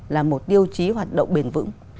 là một tiêu chí hoạt động bền vững